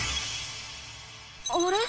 あれ？